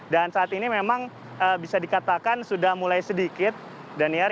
dan saat ini memang bisa dikatakan sudah mulai sedikit danier